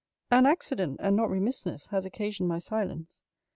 An accident, and not remissness, has occasioned my silence.